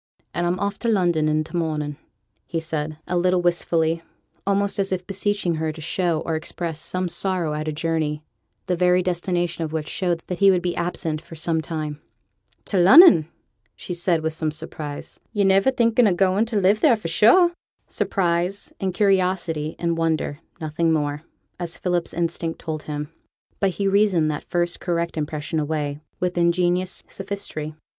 'And I'm off to London i' t' morning,' added he, a little wistfully, almost as if beseeching her to show or express some sorrow at a journey, the very destination of which showed that he would be absent for some time. 'To Lunnon!' said she, with some surprise. 'Yo're niver thinking o' going to live theere, for sure!' Surprise, and curiosity, and wonder; nothing more, as Philip's instinct told him. But he reasoned that first correct impression away with ingenious sophistry.